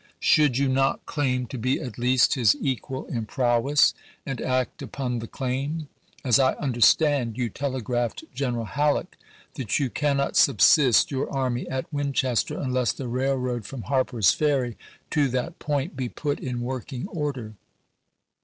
Should you not claim to be at least his equal in prowess, and act upon the claim f As I understand, you telegraphed Gen eral Halleck that you cannot subsist your army at Winchester unless the raih'oad from Harpei 's Ferry to that point be put in working order.